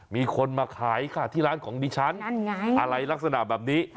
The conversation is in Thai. มีคนมาขายค่ะที่ร้านของดิฉันนั่นไงอะไรลักษณะแบบนี้